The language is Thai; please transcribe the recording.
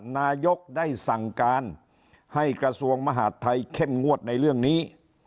นายกได้สั่งการให้กระทรวงมหาดไทยเข้มงวดในเรื่องนี้